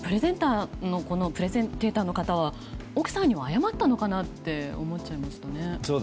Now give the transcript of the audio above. そもそもプレゼンテーターの方は奥さんには謝ったのかなって思っちゃいましたね。